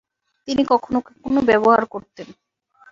তিনি কখনো কখনো ব্যবহার করতেন।